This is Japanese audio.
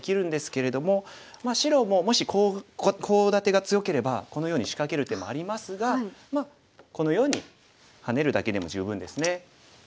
まあ白ももしコウ立てが強ければこのように仕掛ける手もありますがまあこのようにハネるだけでも十分ですね。